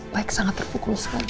baik sangat terpukul sekali